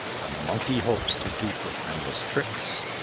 The Monkey hopes to dupe with endless tricks.